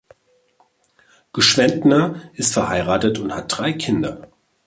Gschwendtner ist verheiratet und hat drei Kinder.